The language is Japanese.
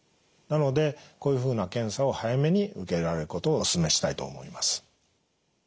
なのでこういうふうな検査を早めに受けられることをおすすめしたいと思います。